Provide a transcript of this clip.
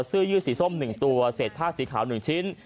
เสื้อยืดสีส้ม๑ตัวเศษผ้าสีขาว๑ชิ้น